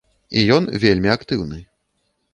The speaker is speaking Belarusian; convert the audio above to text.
І ён вельмі актыўны.